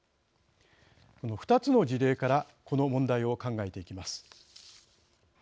２つの事例からこの問題を考えていきます。